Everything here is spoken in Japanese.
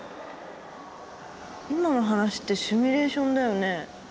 今の話ってシミュレーションだよね？